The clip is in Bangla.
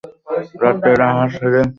রাত্রের আহার সেরে মধুসূদন ঘরে শুতে এল।